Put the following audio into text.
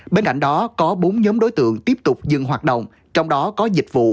bên cạnh đó có bốn nhóm đối tượng tiếp tục dừng hoạt động trong đó có dịch vụ